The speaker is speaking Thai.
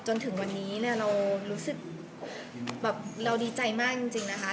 จนถึงวันนี้เนี่ยเรารู้สึกแบบเราดีใจมากจริงนะคะ